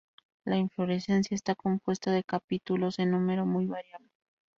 La inflorescencia está compuesta de capítulos en número muy variable.